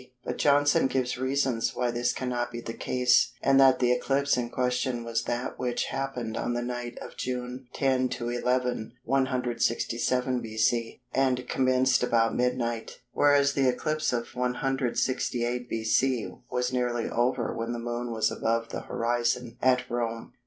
but Johnson gives reasons why this cannot be the case and that the eclipse in question was that which happened on the night of June 10 11, 167 B.C., and commenced about midnight, whereas the eclipse of 168 B.C. was nearly over when the Moon was above the horizon at Rome.